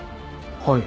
はい。